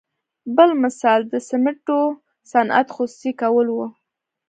بل مثال د سمنټو صنعت خصوصي کول وو.